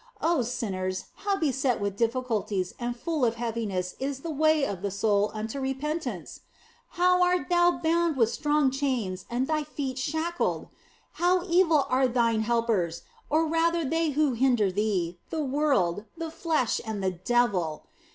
Oh, sinners, how beset with difficulties and full of heaviness is the way of the soul unto repentance ! How art thou bound with strong chains and thy feet shackled ! How evil are thine helpers, or rather they who hinder thee, the world, the flesh, and the devil